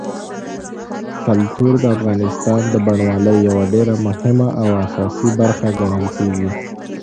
کلتور د افغانستان د بڼوالۍ یوه ډېره مهمه او اساسي برخه ګڼل کېږي.